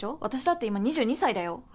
私だって今２２歳だよ。